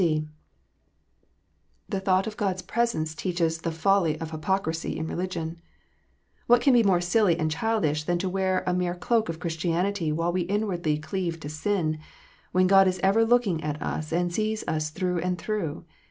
(c) The thought of God s presence teaches the folly of hypocrisy in religion. What can be more silly and childish than to wear a mere cloak of Christianity while we inwardly cleave to sin, when God is ever looking at us and sees us through and through?